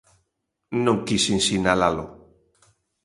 Non quixen sinalalo.